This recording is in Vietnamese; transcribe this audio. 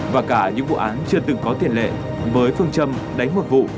và cả những vụ án chưa từng có tiền lệ với phương châm đánh một vụ